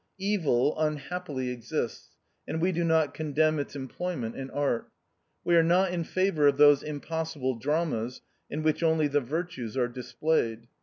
Evil unhappily exists, and we do not condemn its employment in art. We are not in favour of those impossible dramas in which only the virtues are displayed.